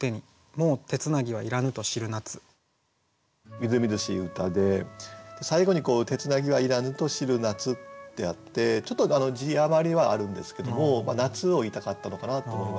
みずみずしい歌で最後に「てつなぎはいらぬと知る夏」ってあってちょっと字余りはあるんですけども夏を言いたかったのかなと思いました。